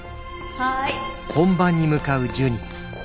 はい。